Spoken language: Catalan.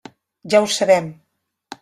Ja ho sabem.